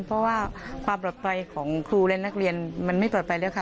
เพราะว่าความปลอดภัยของครูและนักเรียนมันไม่ปลอดภัยแล้วค่ะ